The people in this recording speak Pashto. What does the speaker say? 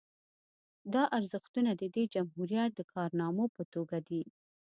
دا ارزښتونه د دې جمهوریت د کارنامو په توګه دي